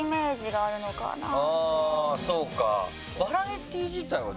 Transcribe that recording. あぁそうか！